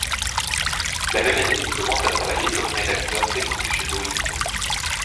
La même année, il commence à travailler comme rédacteur technique chez Boeing.